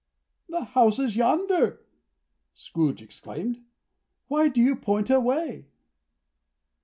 "The house is yonder" Scrooge exclaimed. "Why do you point away?"